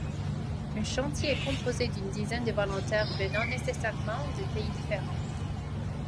Un chantier est composé d'une dizaine de volontaires venant nécessairement de pays différents.